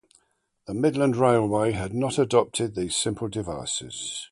The Midland Railway had not adopted these simple devices.